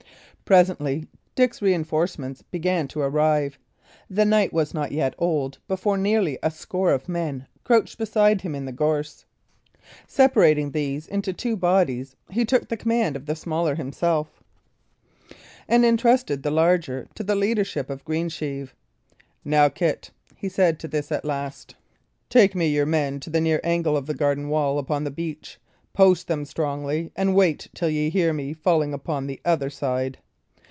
Presently Dick's reinforcements began to arrive. The night was not yet old before nearly a score of men crouched beside him in the gorse. Separating these into two bodies, he took the command of the smaller himself, and entrusted the larger to the leadership of Greensheve. "Now, Kit," said he to this last, "take me your men to the near angle of the garden wall upon the beach. Post them strongly, and wait till that ye hear me falling on upon the other side.